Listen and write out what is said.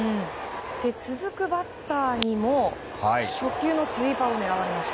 続くバッターにも初球のスイーパーを狙われました。